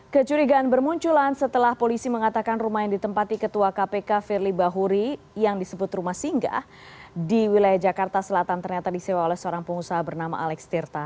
kecurigaan bermunculan setelah polisi mengatakan rumah yang ditempati ketua kpk firly bahuri yang disebut rumah singgah di wilayah jakarta selatan ternyata disewa oleh seorang pengusaha bernama alex tirta